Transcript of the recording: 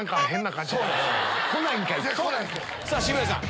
さぁ渋谷さん